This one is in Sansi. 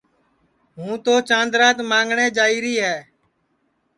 ہوں تو چاند رات مانٚگٹؔے جائیری ہے